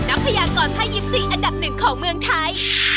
นักพยากรพ่ายิปซีอันดับหนึ่งของเมืองไทย